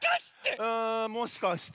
もしかして！